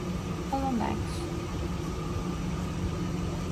Hello, max.